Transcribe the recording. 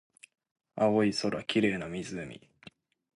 青い空、綺麗な湖